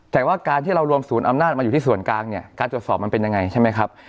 แต่ว่าการที่เรารวมศูนย์อำนาจมาอยู่ที่ส่วนกลางเนี่ยการตรวจสอบมันเป็นยังไงใช่ไหมครับ